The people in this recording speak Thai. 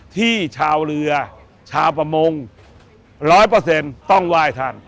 ที่ชาวเรือชาวประมง๑๐๐ต้องไหว้ท่าน